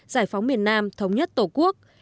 giải phóng miền nam thống nhất tổ quốc